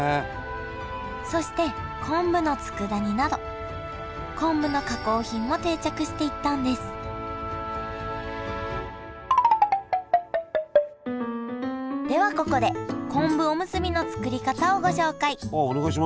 そして昆布のつくだ煮など昆布の加工品も定着していったんですではここでこんぶおむすびの作り方をご紹介。